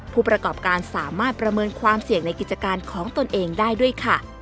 ผู้ประกอบการสามารถประเมินความเสี่ยงในกิจการของตนเองได้ด้วยค่ะ